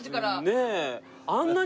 ねえ。